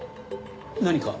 何か？